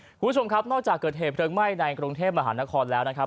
คุณผู้ชมครับนอกจากเกิดเหตุเพลิงไหม้ในกรุงเทพมหานครแล้วนะครับ